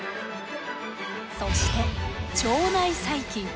そして腸内細菌。